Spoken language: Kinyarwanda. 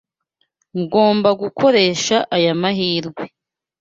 Ngomba gukoresha aya mahirwe.